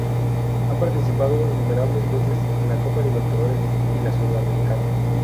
Ha participado innumerables veces en la copa Libertadores y la Sudamericana.